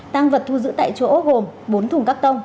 tăng vật thu giữ tại chỗ gồm bốn thùng các tông